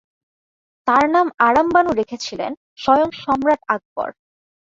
তার নাম "আরাম বানু" রেখেছিলেন স্বয়ং সম্রাট আকবর।